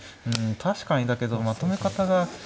うん確かにだけどまとめ方が。